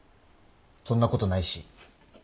そんなことないし。